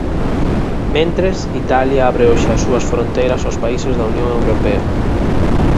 Mentres, Italia abre hoxe as súas fronteiras aos países da Unión Europea.